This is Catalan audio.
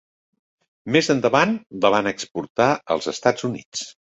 Més endavant la van exportar als Estats Units.